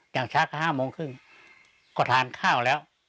อย่างช้าก็๕โมงครึ่งก็ทานข้าวแล้ว